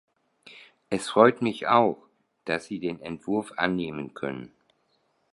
Es freut mich auch, dass Sie den Entwurf annehmen können.